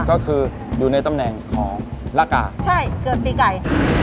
ก็คืออยู่ในตำแหน่งของละกาใช่เกิดปีไก่